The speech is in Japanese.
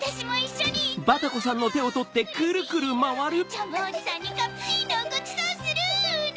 ジャムおじさんにカプチーノをごちそうするの！